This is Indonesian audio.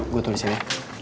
gue tulisin ya